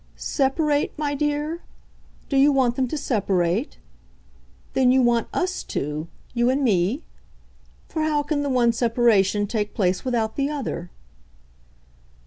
"Separate, my dear? Do you want them to separate? Then you want US to you and me? For how can the one separation take place without the other?"